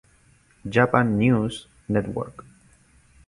Japan News Network